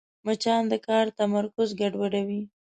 مچان د کار تمرکز ګډوډوي